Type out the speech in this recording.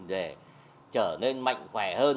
để trở nên mạnh khỏe hơn